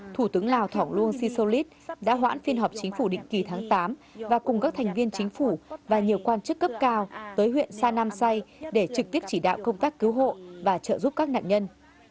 thủ tướng lào thong luông sisulit đã hoãn phiên họp chính phủ định kỳ tháng tám và cùng các thành viên chính phủ và nhiều quan chức cấp cao tới huyện sa nam say để trực tiếp chỉ đạo công tác cứu hộ và trợ giúp các nạn nhân